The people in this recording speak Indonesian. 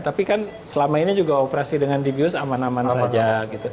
tapi kan selama ini juga operasi dengan dibius aman aman saja gitu